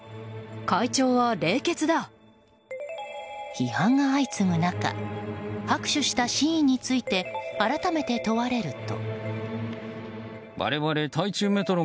批判が相次ぐ中拍手した真意について改めて問われると。